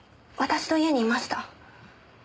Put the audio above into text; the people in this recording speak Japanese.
私と家にいました。